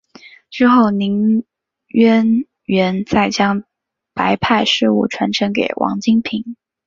之后林渊源再将白派事务传承给王金平。